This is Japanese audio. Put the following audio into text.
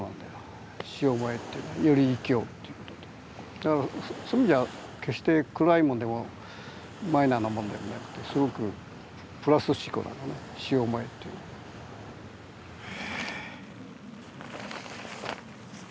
だからそういう意味じゃ決して暗いもんでもマイナーなもんでもなくてすごくプラス思考なのね「死を想え」っていうのは。